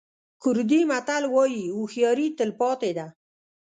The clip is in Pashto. کوردي متل وایي هوښیاري تل پاتې ده.